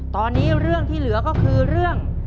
ตอนนี้เรื่องที่เหลือก็คือเรื่อง